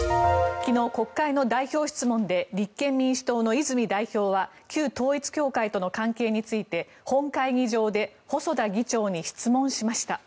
昨日、国会の代表質問で立憲民主党の泉代表は旧統一教会との関係について本会議場で細田議長に質問しました。